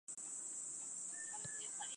那时的码头比现在更加繁忙。